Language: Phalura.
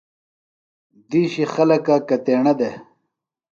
دِیشی خلکہ کتیݨہ دےۡ؟